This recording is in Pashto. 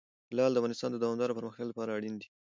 لعل د افغانستان د دوامداره پرمختګ لپاره اړین دي.